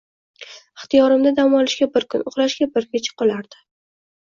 Ixtiyorimda dam olishga bir kun, uxlashga bir kecha qolardi...